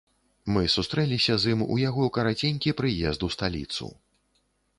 Мы сустрэліся з ім у яго караценькі прыезд у сталіцу.